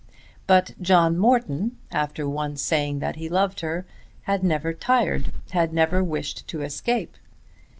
But John Morton, after once saying that he loved her, had never tired, had never wished to escape.